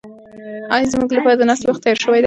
ایا زموږ لپاره د ناستې وخت تېر شوی دی؟